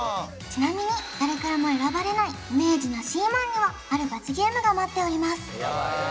ちなみに誰からも選ばれないイメージなしＭａｎにはある罰ゲームが待っております・